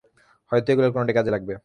হয়তো এগুলোর কোনোটা কাজে লাগবে।